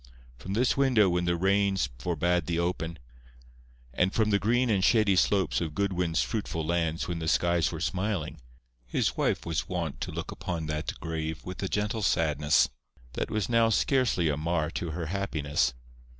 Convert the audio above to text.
From this window when the rains forbade the open, and from the green and shady slopes of Goodwin's fruitful lands when the skies were smiling, his wife was wont to look upon that grave with a gentle sadness that was now scarcely a mar to her happiness.